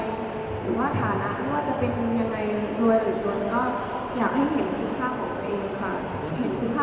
แล้วมันเป็นเรื่องไหนค่ะ